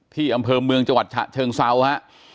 ที่อำเภอเมืองจังหวัดฉะเชิงเซาฮะ